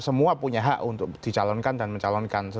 semua punya hak untuk dicalonkan dan mencalonkan